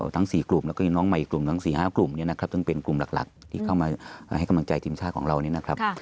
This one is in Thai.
ทั้ง๔กลุ่มแล้วก็น้องใหม่อีกกลุ่มทั้ง๔๕กลุ่มเนี่ยนะครับซึ่งเป็นกลุ่มหลักที่เข้ามาให้กำลังใจทีมชาติของเราเนี่ยนะครับ